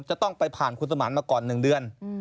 จะต้องไปผ่านคุณสมานมาก่อน๑เดือน